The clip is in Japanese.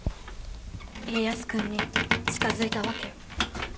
家康君に近づいた訳を。